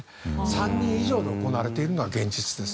３人以上で行われているのが現実です。